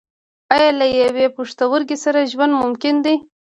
ایا له یوه پښتورګي سره ژوند ممکن دی